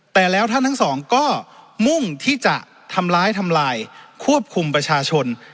แต่แล้วท่านทั้งสองก็มุ่งที่จะทำร้ายทำลายควบคุมประชาชน